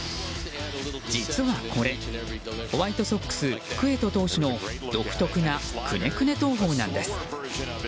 実はこれ、ホワイトソックスクエト投手の独特なクネクネ投法なんです。